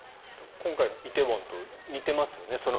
今回の梨泰院と似てますよね。